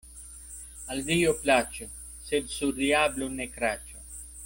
Al Dio plaĉu, sed sur diablon ne kraĉu.